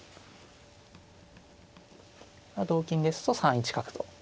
同金ですと３一角と。